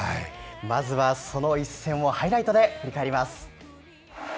まずはその一戦をハイライトで振り返ります。